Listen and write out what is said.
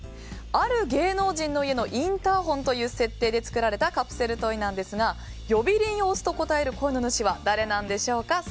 ある芸能人の家のインターホンという設定で作られたカプセルトイなんですが呼び鈴を押すと応える声の主は誰なんでしょうか。